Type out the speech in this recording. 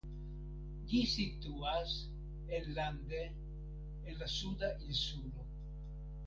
Ĝi situas enlande en la Suda Insulo.